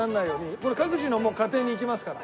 これ各自の家庭に行きますから。